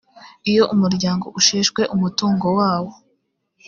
iyo umuryango usheshwe umutungo wawo